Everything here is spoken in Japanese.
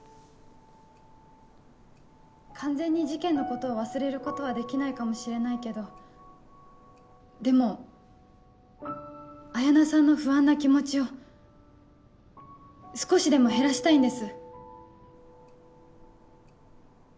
完全に事件のことを忘れることはできないかもしれないけどでも彩菜さんの不安な気持ちを少しでも減らしたいんです。